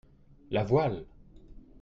La voile.